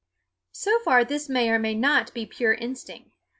So far this may or may not be pure instinct.